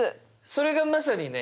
それがまさにね